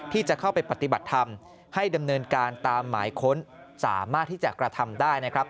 ที่จะเข้าไปปฏิบัติธรรมให้ดำเนินการตามหมายค้นสามารถที่จะกระทำได้นะครับ